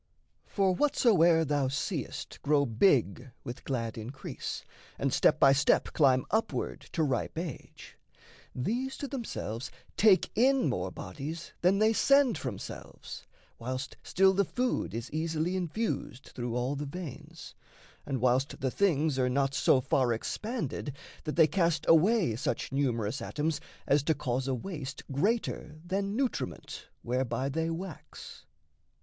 For whatsoe'er thou seest Grow big with glad increase, and step by step Climb upward to ripe age, these to themselves Take in more bodies than they send from selves, Whilst still the food is easily infused Through all the veins, and whilst the things are not So far expanded that they cast away Such numerous atoms as to cause a waste Greater than nutriment whereby they wax.